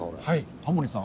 タモリさん